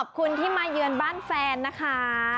ขอบคุณที่มาเยือนบ้านแฟนนะคะ